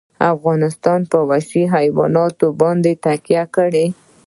افغانستان په وحشي حیوانات باندې تکیه لري.